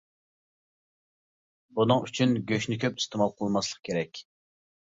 بۇنىڭ ئۈچۈن گۆشنى كۆپ ئىستېمال قىلماسلىق كېرەك.